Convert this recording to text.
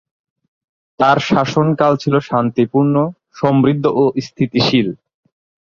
তার শাসনকাল ছিল শান্তিপূর্ণ, সমৃদ্ধ ও স্থিতিশীল।